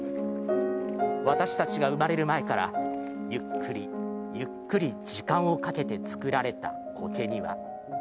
私たちが生まれる前からゆっくりゆっくり時間をかけて作られた苔庭。